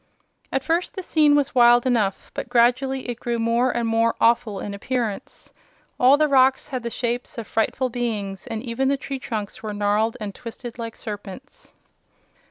At first the scene was wild enough, but gradually it grew more and more awful in appearance. All the rocks had the shapes of frightful beings and even the tree trunks were gnarled and twisted like serpents.